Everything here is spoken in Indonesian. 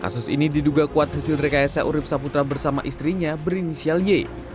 kasus ini diduga kuat hasil rekayasa urib saputra bersama istrinya berinisial y